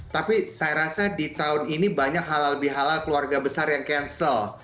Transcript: tapi saya rasa di tahun ini banyak halal bihala keluarga besar yang cancel